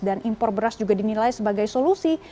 dan impor beras juga dinilai sebagai solusi